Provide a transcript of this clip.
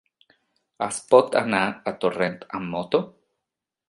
Es pot anar a Torrent amb moto?